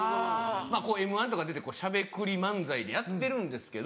『Ｍ−１』とか出てしゃべくり漫才やってるんですけど